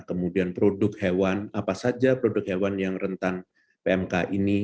kemudian produk hewan apa saja produk hewan yang rentan pmk ini